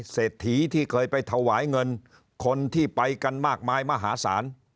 เศรษฐีที่เคยไปถวายเงินคนที่ไปกันมากมายมหาศาล